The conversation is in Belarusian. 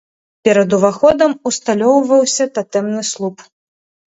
Перад уваходам усталёўваўся татэмны слуп.